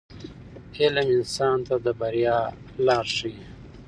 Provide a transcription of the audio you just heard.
• علم انسان ته د بریا لار ښیي.